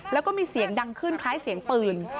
แล้วก็มีเสียงดังขึ้นคล้ายเสียงปืน